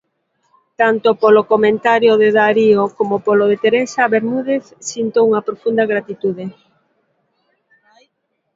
Tanto polo comentario de Darío como polo de Teresa Bermúdez sinto unha profunda gratitude.